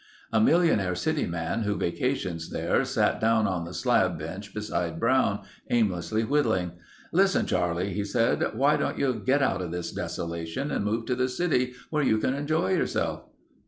A millionaire city man who vacations there sat down on the slab bench beside Brown, aimlessly whittling. "Listen, Charlie," he said. "Why don't you get out of this desolation and move to the city where you can enjoy yourself?"